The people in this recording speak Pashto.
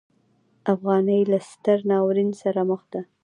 افغانۍ له ستر ناورین سره مخ ده.